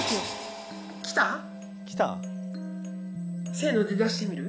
「せの」で出してみる？